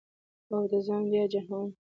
اول ځان بیا جهان